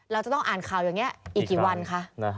เราจะต้องอ่านข่าวอย่างนี้อีกกี่วันคะ